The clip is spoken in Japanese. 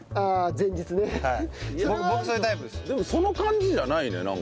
でもその感じじゃないねなんか。